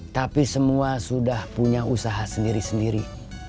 tapi semua sudah punya usaha sendiri sendiri